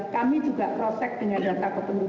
kami juga prosek dengan data ketentukan dan sebagainya